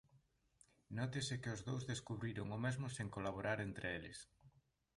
Nótese que os dous descubriron o mesmo sen colaborar entre eles.